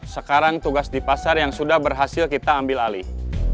sekarang tugas di pasar yang sudah berhasil kita ambil alih